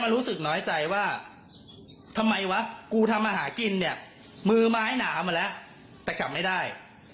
รู้สึกน้อยใจว่าทำไมวะกูทำมาหากินเนี่ยมือไม้หนามาแล้วแต่กลับไม่ได้